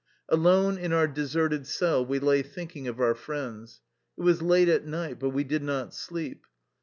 Alone in our deserted cell we lay thinking of our friends. It was late at night, but we did not sleep.